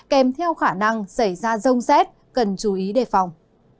kèm theo khả năng xảy ra rông xét cần chú ý đề phòng